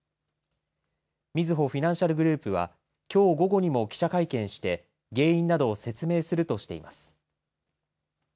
みずほフィナンシャルグループはきょう午後にも記者会見して原因などを説明するとしています。